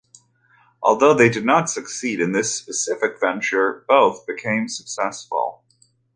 Although they did not succeed in this specific venture, both became successful.